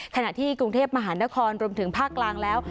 ขณะที่กรุงเทพมหานครรวมถึงภาคกลางแล้ว